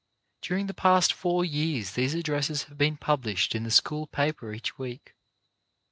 During the past four years these addresses have been published in the school paper each week.